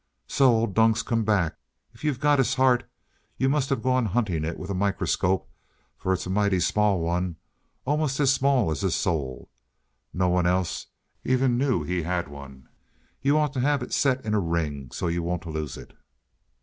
"So old Dunk's come back? If you've got his heart, you must have gone hunting it with a microscope, for it's a mighty small one almost as small as his soul. No one else even knew he had one. You ought to have it set in a ring, so you won't lose it."